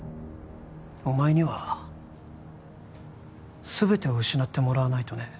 お前には全てを失ってもらわないとね